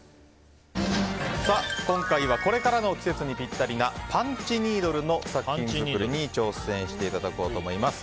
今回はこれからの季節にピッタリなパンチニードルの作品作りに挑戦していただこうと思います。